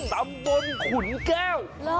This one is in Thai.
ตำบลขุนแก้ว